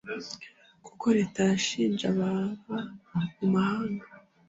kuko leta yashinje abava mu mahanga